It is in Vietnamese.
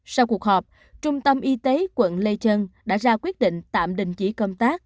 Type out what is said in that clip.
sau cuộc họp trung tâm y tế quận lê trân đã ra quyết định tạm đình chỉ công tác